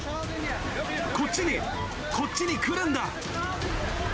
こっちに、こっちに来るんだ。